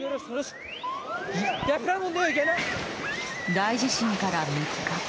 大地震から３日。